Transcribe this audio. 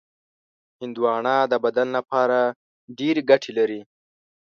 هندوانه د بدن لپاره ډېرې ګټې لري.